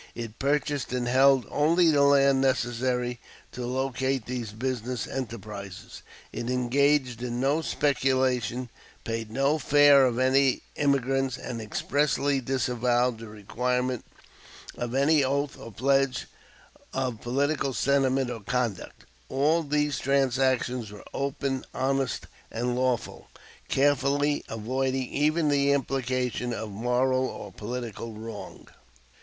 It purchased and held only the land necessary to locate these business enterprises. It engaged in no speculation, paid no fare of any emigrants, and expressly disavowed the requirement of any oath or pledge of political sentiment or conduct. All these transactions were open, honest, and lawful, carefully avoiding even the implication of moral or political wrong.